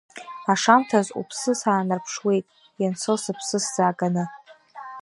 Ашамҭаз уԥсы саанарԥшуеит, ианцо сыԥсы сзааганы.